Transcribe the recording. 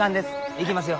行きますよ。